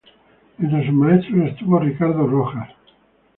Entre sus maestros estuvo Ricardo Rojas.